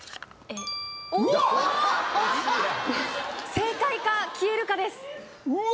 正解か消えるかですうわ